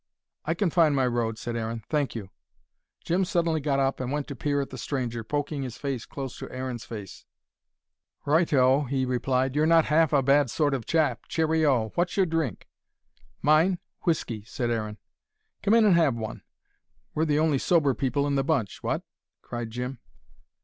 "I can find my road," said Aaron. "Thank you." Jim suddenly got up and went to peer at the stranger, poking his face close to Aaron's face. "Right o," he replied. "You're not half a bad sort of chap Cheery o! What's your drink?" "Mine whiskey," said Aaron. "Come in and have one. We're the only sober couple in the bunch what?" cried Jim.